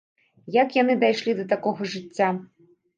Як яны дайшлі да такога жыцця?